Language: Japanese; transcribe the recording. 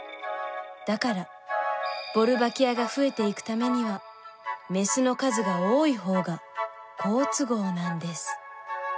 だからボルバキアが増えていくためにはメスの数が多い方が好都合なんです。